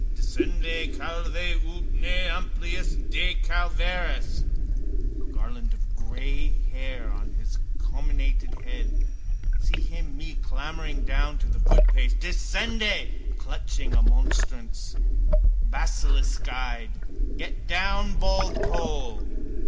Descende, calve, ut ne nimium decalveris. A garland of grey hair on his comminated head see him me clambering down to the footpace (descende!), clutching a monstrance, basiliskeyed. Get down, baldpoll!